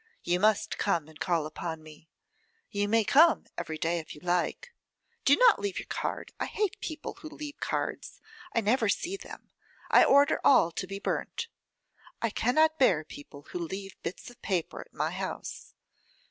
You must come and call upon me. You may come every day if you like. Do not leave your card. I hate people who leave cards. I never see them; I order all to be burnt. I cannot bear people who leave bits of paper at my house.